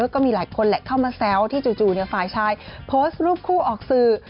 ก็มีหลายคนแหละเข้ามาแซวที่จู่ฝ่ายชายโพสต์รูปคู่ออกสื่อ